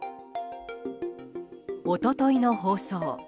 一昨日の放送。